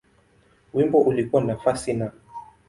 Wimbo ulikuwa nafasi Na.